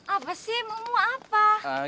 apa sih mau apa